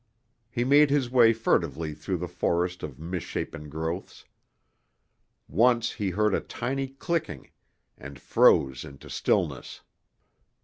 He made his way furtively through the forest of misshapen growths. Once he heard a tiny clicking, and froze into stillness.